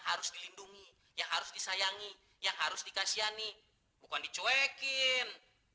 harus dilindungi yang harus disayangi yang harus dikasihani bukan dicuekin